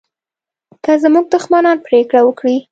که زموږ دښمنان پرېکړه وکړي